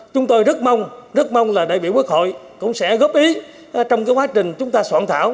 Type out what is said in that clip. chúng tôi rất mong rất mong là đại biểu quốc hội cũng sẽ góp ý trong quá trình chúng ta soạn thảo